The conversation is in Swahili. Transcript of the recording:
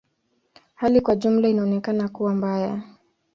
Hali kwa ujumla inaonekana kuwa mbaya.